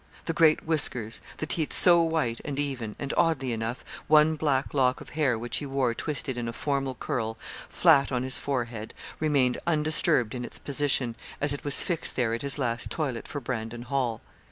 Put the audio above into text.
The great whiskers; the teeth so white and even; and oddly enough, one black lock of hair which he wore twisted in a formal curl flat on his forehead, remained undisturbed in its position, as it was fixed there at his last toilet for Brandon Hall.